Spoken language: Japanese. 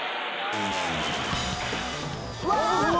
うわ！